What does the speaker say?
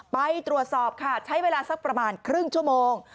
ไปตรวจสอบค่ะใช้เวลาสักประมาณครึ่งชั่วโมง